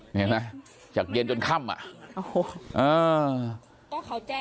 เห็นไหมจากเย็นจนค่ำอ่ะ